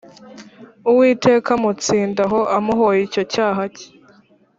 Uwiteka amutsindaho amuhoye icyo cyaha cye